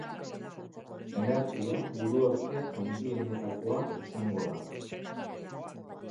Energia buruhauste handienetakoa izango da.